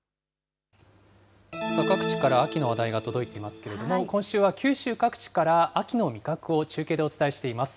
各地から秋の話題が届いていますけれども、今週は九州各地から秋の味覚を中継でお伝えしています。